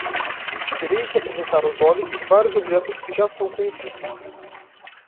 Terei que apresentar aos olhos vários objetos que já são conhecidos.